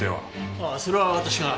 ああそれは私が。